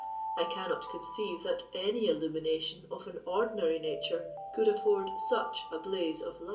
I cannot conceive that any illumination of an ordinary nature could afford such a blaze of light."